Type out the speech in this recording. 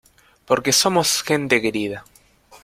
porque somos gente querida.